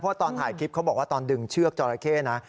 เพราะตอนถ่ายคลิปเขาบอกว่าตอนดึงเชือกจอราเข้นะ